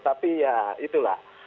tapi ya itulah